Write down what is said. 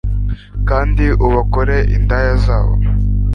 Kandi ubakore indaya zabo